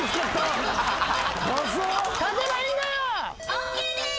ＯＫです。